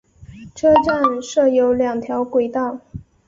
车站设有两条轨道。